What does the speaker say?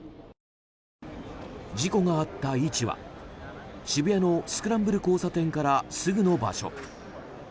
事故があった位置は渋谷のスクランブル交差点からすぐの場所。